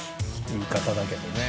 言い方だけどね。